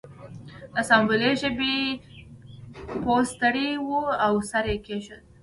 د اسامبلۍ ژبې پوه ستړی و او سر یې کیښود